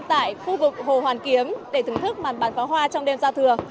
tại khu vực hồ hoàn kiếm để thưởng thức màn bán pháo hoa trong đêm giao thừa